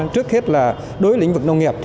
trước hết là đối với lĩnh vực nông nghiệp